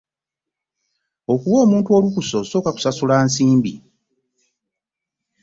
Okuwa omuntu olukusa asooka kusasula nsimbi.